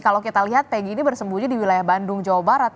kalau kita lihat peggy ini bersembunyi di wilayah bandung jawa barat